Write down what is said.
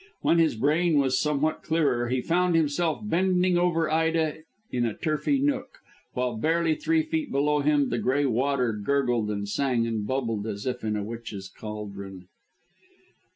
When his brain was somewhat clearer he found himself bending over Ida in a turfy nook, while barely three feet below him the grey water gurgled and sang and bubbled as if in a witch's cauldron.